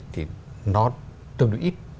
thì nó tương đối ít